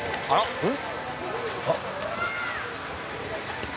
あっ！